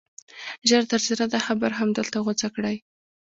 ژر تر ژره دا خبره همدلته غوڅه کړئ